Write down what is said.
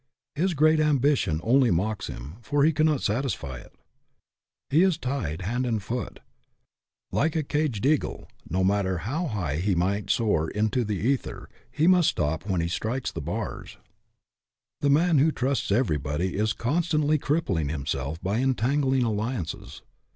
His great ambition only mocks him, for he cannot satisfy it. He is tied hand and foot. Like a caged eagle, no matter FREEDOM AT ANY COST 55 how high he might soar into the ether, he must stop when he strikes the bars. The man who trusts everybody is con stantly crippling himself by entangling alli ances.